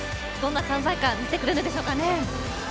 どんな存在感、見せてくれるんでしょうかね。